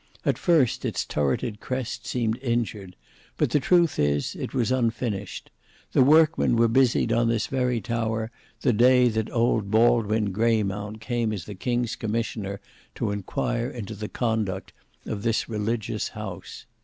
At first, its turretted crest seemed injured; but the truth is, it was unfinished; the workmen were busied on this very tower the day that old Baldwin Greymount came as the king's commissioner to inquire into the conduct of this religious house.